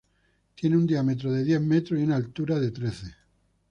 Tiene un diámetro de diez metros y una altura de trece.